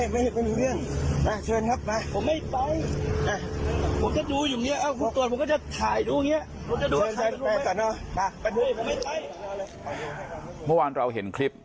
เมื่อไหวเขทองหาวันเราเห็นคิด